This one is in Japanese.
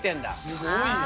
すごいな。